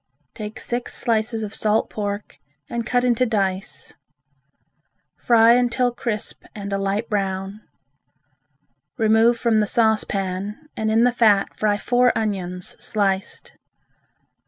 Take six slices of salt pork and cut into dice. Fry until crisp and a light brown. Remove from the saucepan and in the fat fry four onions sliced.